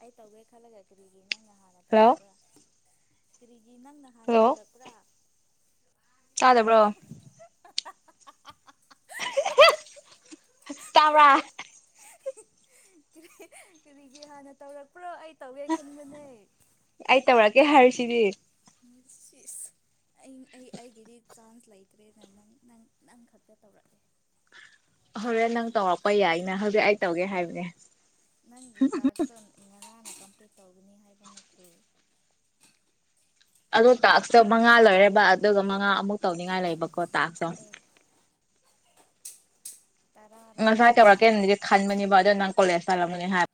ꯑꯥꯏ ꯇꯥꯎꯒꯦ ꯈꯂꯒ ꯍꯥꯏꯀꯔꯤꯒ ꯍꯜꯂꯣ ꯀꯔꯤꯅ ꯒꯤ ꯅꯪꯅ ꯍꯥꯟꯅ ꯍꯜꯂꯣ ꯇꯧꯔꯛꯄ꯭ꯔꯥ ꯇꯥꯗꯕ꯭ꯔꯣ ꯇꯥꯕ꯭ꯔꯥ ꯀꯔꯤꯒꯤ ꯍꯥꯟꯅ ꯇꯧꯔꯛ ꯑꯥꯠ ꯑꯩ ꯇꯧꯔꯛꯑꯒꯦ ꯍꯥꯏꯔꯤꯁꯤꯗꯤ ꯁꯤꯏ ꯏꯁ ꯑꯩ ꯑꯩ ꯑꯩꯒꯤꯗꯤ ꯆꯥꯟꯁ ꯂꯩꯇ꯭ꯔꯦꯅ ꯅꯪ ꯅꯪ ꯅꯪ ꯈꯛꯇ ꯇꯧꯔꯛꯂꯦ ꯍꯣꯔꯦꯟ ꯅꯪ ꯇꯧꯔꯛꯄ ꯌꯥꯏꯅ ꯍꯧꯖꯤꯛ ꯑꯩ ꯇꯧꯒꯦ ꯍꯥꯏꯕꯅꯦ ꯅꯪꯒꯤ ꯗꯛꯇꯥ ꯅꯥꯅꯥꯗꯣ ꯇꯧꯒꯅꯤ ꯍꯥꯏꯕ ꯅꯠꯇꯔꯣ ꯑꯗꯣ ꯇꯥꯛꯁꯇꯣ ꯃꯉꯥ ꯂꯣꯏꯔꯦꯕ ꯑꯗꯨꯒ ꯃꯉꯥ ꯑꯃꯨꯛ ꯇꯧꯅꯤꯡꯉꯥꯏ ꯂꯩꯕꯀꯣ ꯇꯥꯛꯁꯇꯣ ꯑꯦ ꯇꯔꯥꯔꯣ ꯉꯁꯥꯏ ꯇꯧꯔꯛꯀꯦꯅꯗꯤ ꯈꯟꯕꯅꯦꯕ ꯑꯗꯣ [unintelligible]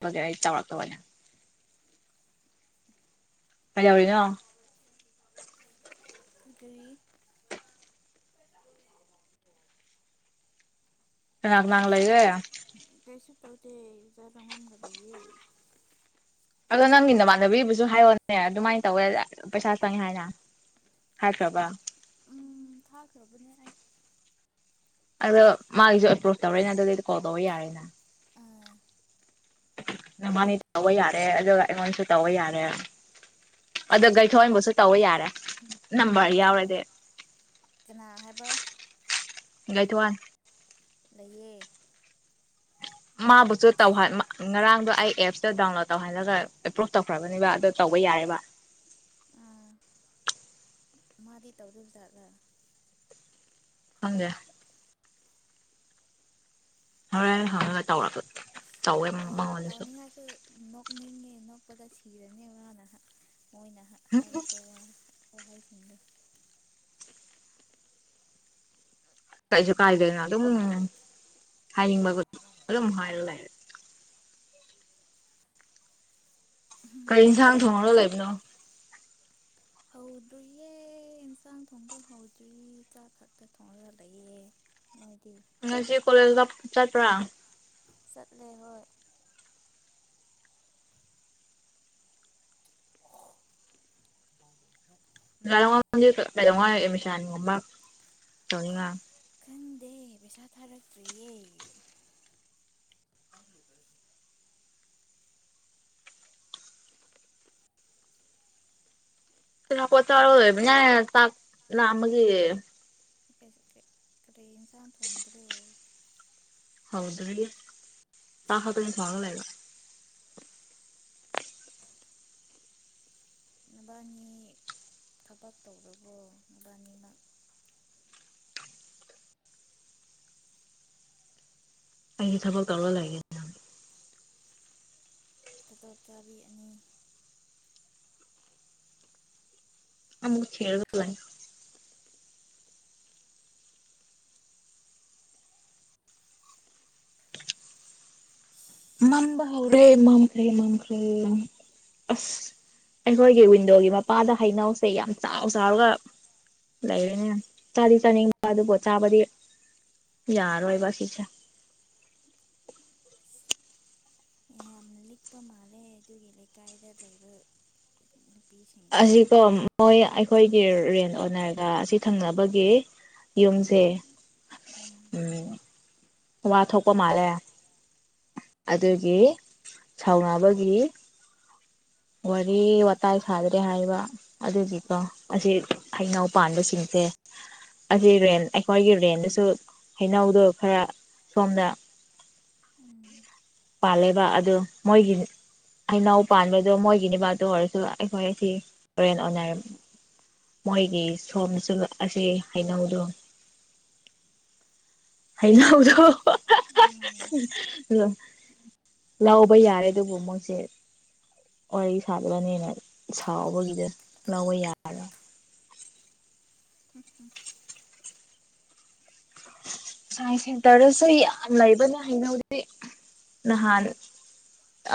ꯀꯩꯗꯧꯔꯤꯅꯣ ꯀꯔꯤ ꯀꯅ ꯀꯅꯥ ꯂꯩꯔꯦ ꯇ ꯇꯧꯗꯦꯖꯔꯔꯉꯝꯒꯗꯌꯦ [unintelligible] ꯑꯗꯣ ꯅꯪꯒꯤ ꯅꯃꯥꯟꯅꯕꯤꯕꯨꯁꯨ ꯍꯥꯏꯌꯣꯅꯦ ꯑꯗꯨꯃꯥꯏꯅ ꯇꯧꯋꯦ ꯄꯩꯁꯥ ꯆꯪꯉꯦ ꯍꯥꯏꯅ ꯍꯥꯏꯈ꯭ꯔꯕ꯭ꯔ ꯎꯝ ꯊꯥꯈ꯭ꯔꯕꯅꯦ ꯑꯩ ꯑꯗꯣ ꯃꯥꯒꯤꯁꯨ ꯑꯦꯄ꯭ꯔꯣꯁ ꯇꯧꯔꯦꯅ ꯑꯗꯨꯗꯩꯗꯤ ꯀꯣꯜ ꯇꯧꯕ ꯌꯥꯔꯦꯅ ꯑꯥ ꯅꯕꯥꯅꯤ ꯇꯧꯕ ꯌꯥꯔꯦ ꯑꯗꯨꯒ ꯑꯩꯉꯣꯟꯗꯁꯨ ꯇꯧꯕ ꯌꯥꯔꯦ ꯑꯗꯣ ꯒꯩꯊꯣꯟꯕꯁꯨ ꯇꯧꯕ ꯌꯥꯔꯦ ꯅꯝꯕꯔ ꯌꯥꯎꯔꯗꯤ ꯀꯅꯥ ꯍꯥꯏꯕ ꯉꯥꯏ ꯊ ꯋꯥꯟ ꯂꯩꯌꯦ ꯃꯥꯕꯨꯁꯨ ꯇꯧꯍ ꯉꯔꯥꯡꯗꯣ ꯑꯩ ꯑꯦꯞꯁꯇ ꯗꯥꯎꯟꯂꯣꯗ ꯇꯧꯍꯜꯂꯒ ꯑꯦꯄ꯭ꯔꯣꯁ ꯇꯧꯈ꯭ꯔꯕꯅꯦꯕ ꯑꯗꯨ ꯇꯧꯕ ꯌꯥꯏꯕ ꯑꯥ ꯃꯥꯗꯤ ꯇꯧꯗꯕꯖꯥꯠꯂ ꯈꯪꯗꯦ ꯍꯣꯔꯦꯟ ꯍꯉꯥ ꯇꯧꯔꯛ ꯑꯁ ꯇꯧꯏ ꯇꯧ ꯃꯉꯣꯟꯗꯁꯨ ꯇꯧꯅꯤꯡꯉꯥꯏꯁꯨ ꯅꯣꯛꯅꯤꯡꯉꯦ ꯅꯣꯛꯄꯗ ꯁꯤꯔꯅꯦ ꯃꯥꯅ ꯍ ꯋꯥꯍꯩꯁꯤꯡꯗꯨ ꯀꯩꯁꯨ ꯀꯥꯏ ꯂꯩꯅꯗꯣ ꯍꯥꯏꯅꯤꯡꯕꯒ ꯑꯗꯨꯝ ꯍꯥꯏꯔ ꯂꯩꯔꯦ ꯀꯒꯥꯔꯤ ꯌꯦꯟꯁꯥꯡ ꯊꯣꯡꯉꯔꯒ ꯂꯩꯕꯅꯣ ꯍꯧꯗ꯭ꯔꯤꯌꯦ ꯏꯟꯁꯥꯡ ꯊꯣꯡꯕ ꯍꯧꯗ꯭ꯔꯤ ꯆꯥꯛ ꯈꯛꯇ ꯊꯣꯡꯉ ꯂꯩꯌꯦ ꯅꯣꯏꯗꯤ ꯉꯁꯤ ꯀꯣꯂꯦꯖꯗ ꯆꯠꯄꯔꯥ ꯆꯠꯂꯦ ꯍꯣꯏ [unintelligible] [inaudible] [unintelligible] ꯇꯧꯅꯤꯪ ꯉꯥꯌ ꯈꯪꯗꯦ ꯄꯩꯁꯥ ꯊꯥꯔꯛꯇ꯭ꯔꯤꯌꯦ ꯀꯅ ꯀꯊ ꯀꯩ ꯑꯣꯏꯅꯦ ꯆꯥꯛ ꯃꯒꯤ [unintelligible] ꯀꯔꯤ ꯌꯦꯟꯁ ꯥꯡ ꯊꯣꯡꯕ꯭ꯔꯣ ꯗ [unintelligible] ꯇꯥ ꯍꯥ ꯇ ꯆꯥꯡꯂꯦꯒ ꯅꯨꯕꯥꯅꯤ ꯊꯕꯛ ꯇꯧꯔꯕꯣ ꯅꯕꯥꯅꯤꯃꯛ ꯑꯩꯗꯤ ꯊꯕꯛ ꯇꯧꯔ ꯂꯩꯔꯦ ꯇꯗꯣꯞ ꯆꯥꯕꯤ ꯑꯅꯤ ꯑꯃꯃꯛ ꯈꯦꯔꯒ ꯂꯅꯤ ꯎ [inaudible] ꯃꯝꯕ ꯍꯧꯔꯦ ꯃꯝꯈ꯭ꯔꯦ ꯃꯝꯈ꯭ꯔꯦ ꯑꯁ ꯑꯩꯈꯣꯏꯒꯤ ꯋꯤꯟꯗꯣꯒꯤ ꯃꯄꯥꯗ ꯍꯩꯅꯧꯁꯦ ꯌꯥꯝ ꯆꯥꯎ ꯆꯥꯎꯔꯒ ꯂꯩꯔꯦꯅꯦ ꯆꯥꯗꯤ ꯆꯥꯅꯤꯡꯕ ꯑꯗꯨꯕꯨ ꯆꯥꯕꯗꯤ ꯌꯥꯔꯣꯏꯕ ꯁꯤꯁꯦ ꯌꯥꯝꯅ ꯂꯤꯛꯄ ꯃꯥꯜꯂꯦ ꯑꯗꯨꯒꯤ ꯂꯩꯀꯥꯏꯗ ꯂꯩꯕ ꯅꯨꯄꯤꯁꯤꯡꯗꯣ ꯑꯁꯤꯀꯣ ꯃꯣꯏ ꯑꯩꯈꯣꯏꯒꯤ ꯔꯦꯅ ꯑꯣꯔꯒ ꯑꯁꯤ ꯊꯪꯅꯕꯒꯤ ꯌꯨꯝꯁꯦ ꯎꯝ ꯋꯥꯊꯣ ꯀꯣ ꯃꯥꯂꯦ ꯑꯗꯨꯒꯤ ꯑꯣꯅ ꯁꯥꯎꯅꯕꯒꯤ ꯋꯥꯔꯤ ꯋꯥꯇꯥꯏ ꯁꯥꯗ꯭ꯔꯦ ꯍꯥꯏꯕ ꯑꯗꯨꯒꯤꯀꯣ ꯑꯁꯤ ꯍꯩꯅꯧ ꯄꯥꯟꯕꯁꯤꯡꯁꯦ ꯑꯁꯤ ꯔꯦꯟ ꯑꯩꯈꯣꯏꯒꯤ ꯔꯦꯟꯗꯁꯨ ꯍꯩꯅꯧꯗꯣ ꯈꯔ ꯁꯣꯝꯅ ꯎꯝ ꯄꯥꯜꯂꯦꯕ ꯑꯗꯨ ꯃꯣꯏꯒꯤ ꯍꯩꯅꯧ ꯄꯥꯟꯕꯗꯣ ꯃꯣꯏꯒꯤ ꯅꯤꯕꯥꯇꯣ ꯑꯣꯏꯔꯁꯨ ꯑꯩꯈꯣꯏꯁꯤ ꯍꯣꯔꯦꯟ ꯑꯣꯟꯅꯔꯦ ꯃꯣꯏꯒꯤ ꯁꯣꯝꯁꯨ ꯑꯁꯤ ꯍꯩꯅꯧꯗꯣ ꯍꯥꯏꯅ ꯍꯗꯣ ꯎ [inaudible] ꯎꯝ [unintelligible] [unintelligible] [unintelligible] ꯂꯕ ꯌꯥꯔꯦ ꯑꯗꯨꯕꯨ ꯃꯣꯏꯁꯦ ꯋꯥꯔꯤ ꯁꯥꯠꯂꯅꯤꯅ ꯁꯥꯎꯕꯒꯤꯗ ꯂꯧꯕ ꯌꯥꯔ ꯎꯝ ꯎꯝ ꯁꯥꯏꯟꯁ ꯁꯦꯟꯇꯔꯗꯁꯨ ꯌꯥꯝ ꯂꯩꯕꯅ ꯍꯥꯏꯩꯅꯧꯗꯤ ꯅꯍꯥꯟ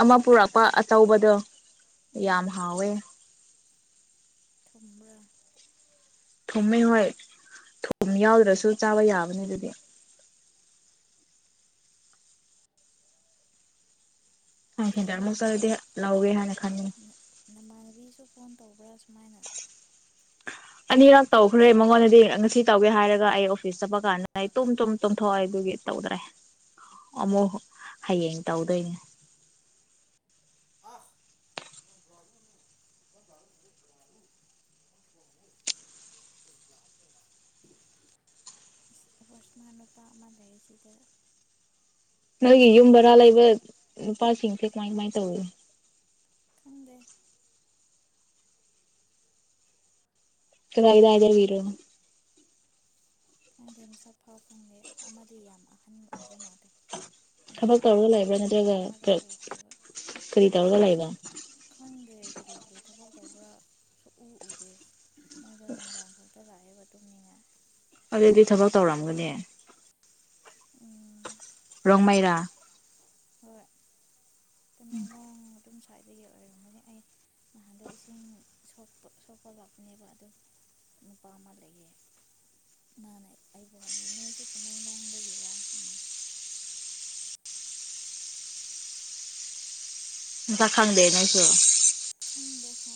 ꯑꯃ ꯄꯨꯔꯛꯄ ꯄꯥ ꯑꯆꯧꯕꯗꯣ ꯌꯥꯝ ꯍꯥꯎꯋꯦ ꯊꯨꯝ꯭ꯔ ꯃ ꯍꯣꯏ ꯊꯨꯝ ꯌꯥꯎꯗ꯭ꯔꯁꯨ ꯆꯥꯕ ꯌꯥꯕꯅꯦ ꯑꯗꯨꯗꯤ ꯍ ꯍꯦ ꯀꯩꯅꯣ ꯇꯔꯃꯨꯛꯇꯔꯗꯤ ꯂꯧꯒꯦ ꯍꯥꯏꯅ ꯈꯟꯅꯤ ꯁꯨ ꯐꯣꯟ ꯇꯧꯕ꯭ꯔꯥ ꯁ ꯑꯅꯤꯔꯛ ꯇꯧꯈ꯭ꯔꯦ ꯃꯉꯣꯟꯗꯗꯤ ꯉꯁꯤ ꯇꯧꯒꯦ ꯍꯥꯏꯔꯒ ꯑꯩ ꯑꯣꯐꯤꯁ ꯆꯠꯄ ꯀꯥꯟꯅ ꯑꯩ ꯇꯨꯝ ꯇꯨꯝ ꯇꯨꯝꯊꯣꯛꯑꯦ ꯑꯗꯨꯒꯤ ꯇꯧꯗ꯭ꯔꯦ ꯑꯃꯨꯛ ꯍꯌꯦꯡ ꯇꯧꯗꯣꯏꯅꯦ ꯄꯁ ꯃ ꯅꯨꯄꯥ ꯑꯃ ꯂꯩꯌꯦ ꯁꯤꯗ ꯅꯪꯒꯤ ꯌꯨꯝꯕꯔꯂ ꯂꯩꯕ ꯄꯥꯥꯁ ꯏꯁꯤꯡ ꯃꯥꯥꯏ ꯃꯥꯥꯏ ꯇꯧꯢ ꯈꯪꯗꯦ ꯀꯥꯏꯗꯥꯏ ꯀꯥꯏꯗꯂꯦ ꯈꯪꯗꯦ ꯃꯁꯛ ꯐꯥꯎ ꯈꯪꯗꯦ ꯑꯃꯗꯤ ꯌꯥꯝ ꯑꯍꯟ ꯑꯣꯏꯕ ꯃꯥꯜꯂꯤ ꯊꯕꯛ ꯅꯍꯥꯟ ꯑꯩ ꯇꯧꯔꯒ ꯂꯩꯕ꯭ꯔꯥ ꯅꯠꯇ꯭ꯔꯒ ꯑꯃꯔꯛ ꯎꯈ꯭ꯔꯦꯕ ꯀꯔꯤ ꯇꯧꯔꯒ ꯂꯩꯕ ꯈꯪꯗꯦ ꯀꯔꯤ ꯀꯔꯤ ꯊꯕꯛ ꯇꯧꯕ꯭ꯔꯥ ꯁꯨꯛꯎ ꯎꯗꯦ ꯃꯣꯏꯗꯣꯅꯨꯡꯗꯥꯥꯡ ꯈꯛꯇ ꯂꯥꯛꯑꯦ [unintelligible] ꯑꯗꯨꯗꯤ ꯊꯕꯛ ꯇꯧꯔꯝꯒꯅꯤ ꯎꯝ ꯔꯣꯡꯃꯩꯏꯔꯥ ꯇꯃꯦꯟꯂꯣꯡ ꯑꯗꯨꯨꯝ ꯁ꯭ꯥꯏꯏꯗꯒꯤ ꯑꯣꯏꯔꯝꯒꯅꯤ ꯑꯩ ꯅꯍꯥꯟꯗꯣ ꯏꯁꯤꯡ ꯁꯣꯛꯄ ꯂꯥꯛꯄꯅꯦꯕ ꯑꯗꯨꯝ ꯅꯨꯄꯥ ꯑꯃ ꯂꯩꯌꯦ ꯃꯥꯅ ꯑꯩꯕꯨ ꯍꯪꯉꯦ ꯅꯣꯏꯁꯨ ꯇꯃꯦꯡꯂꯡꯂꯣꯡꯗꯒꯤꯔꯥ ꯍꯪꯉꯦ ꯖ ꯈꯪꯗꯦ ꯑꯩꯁꯨ ꯍꯗꯦꯍ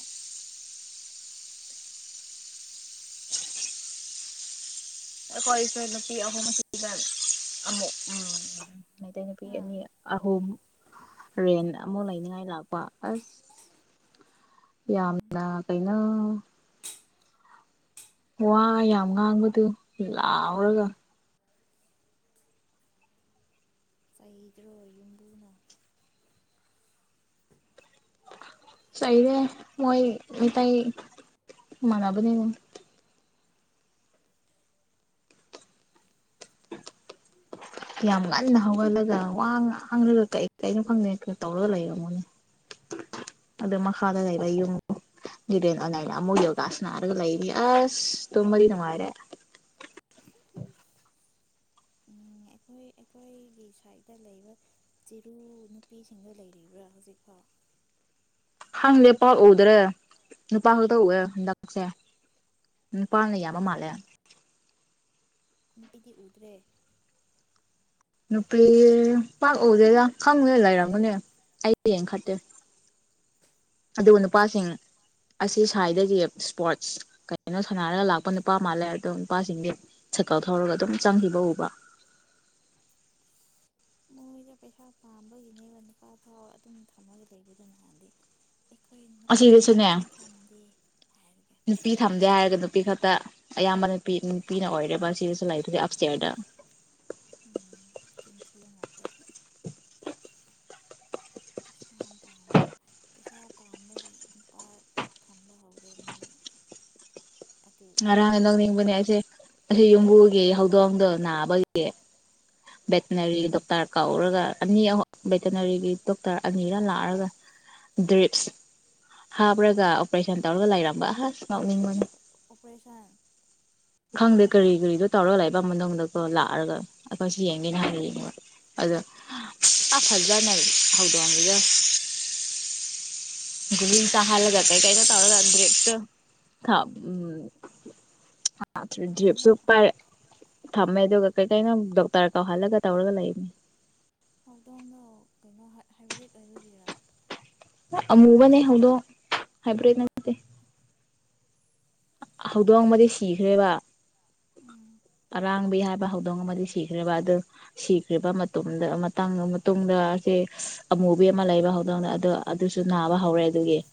ꯑꯩꯈꯣꯏꯁꯨ ꯅꯨꯄꯤ ꯑꯍꯨꯝ ꯑꯁꯤꯗ ꯑꯃꯨꯛ ꯎꯝ ꯃꯩꯇꯩ ꯅꯨꯄꯤ ꯍꯥ ꯑꯅꯤ ꯑꯍꯨꯝ ꯔꯦꯟ ꯑꯃꯣ ꯂꯩꯅꯉꯥꯏ ꯂꯥꯛꯄ ꯑꯁ ꯎꯝ ꯌꯥꯝꯅ ꯀꯩꯅꯣ ꯋꯥ ꯌꯥꯝ ꯉꯥꯡꯕꯗꯨ ꯂꯥꯎꯔꯒ ꯆꯩꯗ꯭ꯔꯣ ꯌꯨꯝꯕꯨꯅ ꯆꯩꯏꯔꯦ ꯃꯣꯏ ꯃꯩꯇꯩ ꯃꯅꯥꯕꯅꯤꯅ ꯌꯥꯝ ꯉꯟꯅ ꯍꯧꯒꯜꯂꯒ ꯋꯥ ꯉꯥꯡꯂꯒ ꯀꯩ ꯀꯩꯅꯣ ꯈꯪꯗꯦꯩꯅꯣ ꯇꯧꯔꯒ ꯂꯩꯕ ꯑꯃꯨꯛꯅꯦ ꯑꯗꯨꯗ ꯃꯈꯥꯗ ꯂꯩꯕ ꯌꯨꯝ ꯔꯦꯟ ꯑꯅꯥꯏꯅ ꯑꯃꯨꯛ ꯌꯣꯒꯥꯥꯁꯅꯥꯔꯒ ꯂꯩꯅꯤ ꯑꯁ ꯇꯨꯝꯕꯗꯤ ꯅꯨꯡꯉꯥꯏꯔꯦ ꯎꯝ ꯑꯩꯈꯣꯏ ꯑꯩꯈꯣꯏꯒꯤ ꯁꯥꯏꯠꯇ ꯂꯩꯕ ꯆꯤꯔꯨ ꯅꯨꯄꯤꯁꯤꯡꯗ ꯂꯩꯔꯤꯕ꯭ꯔꯥ ꯍꯧꯖꯤꯛꯐꯥꯎ ꯍꯪꯗꯦ ꯄꯥꯎ ꯎꯗ꯭ꯔꯦ ꯅꯨꯄꯥ ꯈꯛꯇ ꯎꯑꯦ ꯍꯟꯗꯛꯁꯦ ꯅꯨꯄꯥꯅ ꯌꯥꯝꯕ ꯅꯨꯄꯤꯗꯤ ꯃꯥꯜꯂꯦ ꯅꯨꯄꯤꯗꯤ ꯎꯗ꯭ꯔꯦ ꯅꯨꯄꯤ ꯄꯥꯛ ꯎꯗꯦꯗ ꯈꯪꯒꯦ ꯂꯩꯔꯝꯒꯅꯦ ꯑꯩ ꯌꯦꯡ ꯈꯠꯇꯦ ꯑꯗꯨ ꯅꯨꯄꯥꯁꯤꯡ ꯑꯁꯤ ꯁ꯭ꯋꯥꯏꯗꯒꯤ ꯏꯁꯄꯣꯔꯠꯁ ꯀꯅꯣ ꯁꯥꯟꯅꯔꯒ ꯂꯥꯛꯄ ꯅꯨꯄꯥ ꯃꯥꯜꯂꯦ ꯑꯗꯣ ꯅꯨꯄꯥꯁꯤꯡꯗꯤ ꯁꯥꯏꯀꯜ ꯊꯧꯔꯒ ꯑꯗꯨꯝ ꯆꯪꯈꯤꯕ ꯎꯕ ꯃꯣꯏꯗ ꯄꯩꯁꯥ ꯄꯥꯝꯕꯒꯤꯅꯦꯕ ꯅꯨꯄꯥ ꯐꯥꯎ ꯑꯗꯨꯝ ꯊꯝꯃꯒ ꯂꯩꯕꯗ ꯅꯍꯥꯟꯗꯤ ꯑꯩꯈꯣꯏ ꯑꯁꯤꯗꯁꯨꯅꯦ ꯅꯨꯄꯥꯁꯨꯊꯝ ꯊꯝꯗꯦ ꯍꯥꯏꯔꯒ ꯅꯨꯄꯤ ꯊꯝꯗꯦ ꯍꯥꯏꯔꯒ ꯅꯨꯄꯤ ꯈꯛꯇ ꯑꯌꯥꯝꯕ ꯅꯨꯄꯤ ꯅꯨꯄꯤꯅ ꯑꯣꯏꯔꯦꯕ ꯁꯤꯗꯁꯨ ꯂꯥꯏꯔꯤꯛꯇꯨꯁꯦ ꯑꯞꯁꯦꯔꯗ ꯇꯤꯟꯊꯤ ꯉꯥꯛꯇ ꯄꯩꯁꯥ ꯄꯩꯁꯥ ꯄꯥꯝꯕꯒꯤ ꯅꯨꯄꯥꯁꯨ ꯊꯝꯕ ꯍꯧꯔꯦ ꯃꯣꯏ ꯑꯗꯨ ꯑꯔꯥꯡ ꯀꯩꯅꯣꯗꯣ ꯅꯣꯛꯅꯤꯕꯅꯤ ꯍꯥꯏꯁꯦ ꯌꯨꯝꯕꯨ ꯒꯤ ꯍꯧꯗꯣꯡ ꯍꯧꯗꯣꯡꯗꯣ ꯅꯥꯕꯒꯤ ꯚꯦꯇꯅꯔꯤ ꯗꯣꯛꯇꯔ ꯀꯧꯔꯒ ꯑꯅꯤ ꯑ ꯚꯦꯇꯅꯔꯤꯒꯤ ꯗꯣꯛꯇꯔ ꯑꯅꯤꯔ ꯂꯥꯛꯑꯒ ꯗ꯭ꯔꯤꯞꯁ ꯍꯥꯞꯔꯒ ꯑꯣꯄꯔꯦꯁꯟ ꯇꯧꯔꯒ ꯂꯩꯔꯝꯕ ꯑ ꯉꯥꯎꯅꯤꯡꯕꯅꯤ ꯑꯣꯄꯔꯦꯁꯟ꯫ ꯈꯪꯗꯦ ꯀꯔꯤ ꯀꯔꯤꯗꯣ ꯇꯧꯔꯒ ꯂꯥꯛꯏ ꯄꯥꯃꯗꯣꯡꯗꯛꯇꯣ ꯂꯥꯛꯑꯒ ꯑꯩꯈꯣꯏꯁꯨ ꯌꯦꯡꯒꯦꯅ ꯍꯥꯏ ꯑꯗꯣ ꯑ ꯐꯖ꯭ꯔꯥꯅꯦ ꯍꯧꯗꯣꯡꯑꯁꯤꯗꯦ ꯨꯂꯤ ꯆ ꯍꯥꯂꯒꯦ ꯀꯥꯏ ꯊꯧ ꯗ꯭ꯔꯦꯞꯇ ꯊ ꯎꯝ ꯃꯥ ꯖꯖꯤꯞꯁꯨ ꯀꯩꯅꯣ ꯎꯄꯔ ꯊꯝꯃꯦꯗꯨ ꯀꯩꯀꯩꯅꯣ ꯗꯣꯛꯇꯔ ꯀꯥꯎꯍꯜꯂꯒ ꯇꯧꯔꯒ ꯂꯩꯕꯅꯤ ꯍꯧꯗꯣꯡꯗꯣ ꯀꯩꯅꯣ ꯍꯥꯏꯕ꯭ꯔꯤꯠ ꯑꯣꯏꯕꯒꯤꯔꯥ ꯑꯃꯨꯕꯅꯦ ꯍꯗꯣ ꯍꯥꯏꯩꯕ꯭ꯔꯦꯗ ꯅꯦ ꯍꯧꯗꯣꯡꯕꯗꯤ ꯁꯤꯈ꯭ꯔꯦꯕ ꯎꯝ ꯔꯥꯡꯕꯤꯍꯥꯔ ꯍꯧꯗꯣꯡ ꯑꯃꯗꯤ ꯁꯤꯈ꯭ꯔꯦꯕ ꯑꯗꯨ ꯁꯤꯈ꯭ꯔꯕ ꯃꯇꯨꯡꯗꯥꯡ ꯃꯇꯨꯡꯗ ꯁꯤꯦ ꯑꯃꯨꯕꯤ ꯑꯃ ꯂꯩꯕ ꯍꯧꯗꯣꯡꯗ ꯑꯗꯨꯣ ꯑꯗꯨꯁꯨ ꯅꯥꯕ ꯍꯧꯔꯦ ꯑꯗꯨꯒꯤ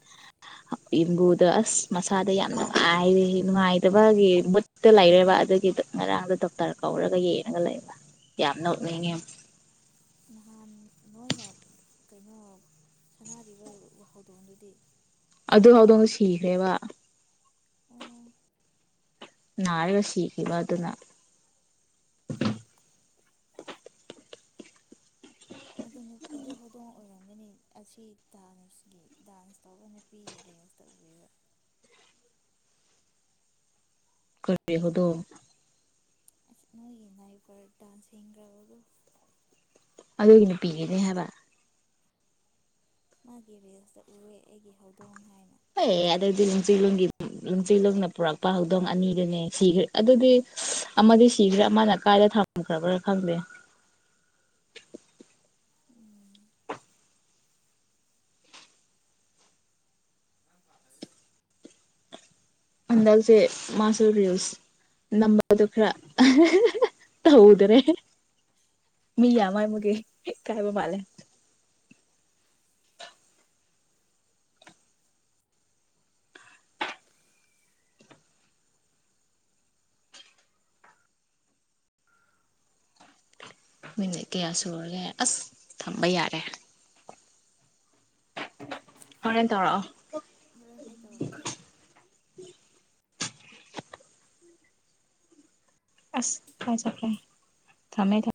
ꯏꯦꯝꯕꯨꯗ ꯑꯁ ꯃꯁꯥꯗ ꯌꯥꯝꯅ ꯍꯥꯏꯗꯤ ꯅꯨꯡꯉꯥꯏꯇꯕꯒꯤ ꯃꯨꯠꯇ ꯂꯩꯔꯦꯕ ꯑꯗꯨꯒꯤ ꯉꯔꯥꯡꯗ ꯗꯣꯛꯇꯔ ꯀꯧꯔꯒ ꯌꯦꯡꯉꯒ ꯂꯩꯕ ꯌꯥꯝ ꯅ ꯑꯣꯛꯅꯤꯡꯉꯦ ꯅꯍꯥꯟ ꯅꯣꯏꯅ ꯀꯩꯅꯣ ꯁꯥꯟꯅꯔꯤꯕ ꯍꯧꯗꯣꯡꯗꯨꯗꯤ ꯑꯗꯨ ꯍꯧꯥꯎꯗꯣꯡꯗ ꯁꯤꯈ꯭ꯔꯦꯕ ꯑꯣ ꯅꯥꯔꯕꯁꯤ ꯀꯂ ꯑꯗꯨ ꯑꯗꯨꯅ ꯑꯗꯨ ꯑꯗꯨ ꯍꯧꯗꯣꯡ ꯑꯣꯏꯔꯣꯣ ꯈꯪꯒꯅꯤ ꯑꯁꯤ ꯗꯥꯟꯁ ꯗꯥꯟꯁ ꯇꯧꯕ ꯅꯨꯄꯤ ꯜꯁꯇ ꯎꯕꯤꯕ ꯀꯔꯤꯔꯤ ꯍꯗꯣ ꯑꯁ ꯅꯣꯏꯒꯦ ꯅ ꯏꯕꯔ ꯗꯗꯥꯥꯟꯟꯁ ꯍꯦ ꯔꯔꯕꯣ ꯑꯗꯨꯒꯤ ꯅꯨꯄꯤꯤꯒꯅꯦ ꯍꯥꯏꯕ ꯃꯥꯒꯤ ꯦꯜꯁꯇ ꯎꯑꯦ ꯑꯩꯒꯤ ꯍꯧꯗꯣꯡ ꯍꯥꯏꯅ ꯍ ꯑꯗꯨꯩꯗꯤ ꯅꯨꯡꯆꯣꯡꯒꯤ ꯅꯨꯡꯆꯤꯂꯣꯡꯅ ꯄꯨꯔꯛꯄ ꯍꯧꯗꯣꯡ ꯑꯅꯤꯗꯨꯅꯦ ꯁꯤꯈ꯭ꯔꯦ ꯑꯗꯨꯗꯤ ꯎꯝ ꯑꯃꯗꯤ ꯁꯤꯈ꯭ꯔꯥ ꯑꯃꯅ ꯀꯥꯏꯗ ꯊꯝꯈ꯭ꯔꯕ꯭ꯔꯥ ꯈꯪꯗꯦ ꯎꯝ ꯑꯗꯁꯦ ꯃꯥꯁꯔꯤꯌꯣꯁ ꯅꯝꯕꯗꯨ ꯈꯔ ꯍꯗ꯭ꯔꯦ ꯃꯤ ꯌꯥꯃꯥꯏ ꯃꯒꯦ ꯀꯥꯏꯕ ꯃꯥꯂꯦ ꯃꯤꯅꯤꯠ ꯀꯌꯥ ꯁꯨꯔꯒꯦ ꯑꯁ ꯊꯝꯕ ꯌꯥꯔꯦ ꯍꯣꯔꯦꯟ ꯇꯧꯔꯛꯑꯣ ꯍꯦꯟ ꯑꯩ ꯇꯀꯦ ꯑꯁ ꯀꯥꯏ ꯆꯄꯥꯏ ꯊꯃꯦ ꯊ